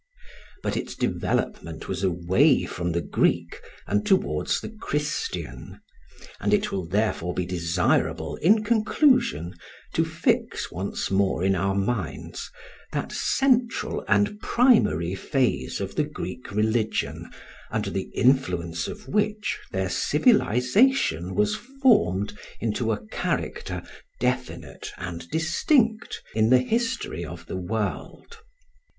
But its development was away from the Greek and towards the Christian; and it will therefore be desirable, in conclusion, to fix once more in our minds that central and primary phase of the Greek religion under the influence of which their civilisation was formed into a character definite and distinct in the history of the world.